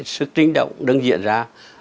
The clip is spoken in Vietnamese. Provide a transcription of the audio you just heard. sức trình động đơn diện ra